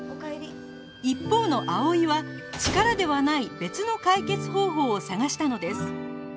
一方の葵は力ではない別の解決方法を探したのです